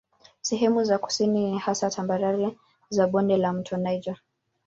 Sehemu za kusini ni hasa tambarare za bonde la mto Niger.